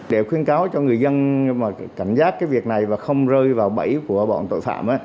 để khuyến cáo cho người dân cảm giác việc này không rơi vào bẫy của bọn tội phạm